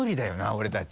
俺たち。